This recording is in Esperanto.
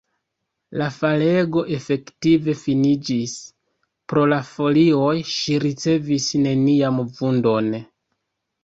La falego efektive finiĝis! Pro la folioj ŝi ricevis nenian vundon.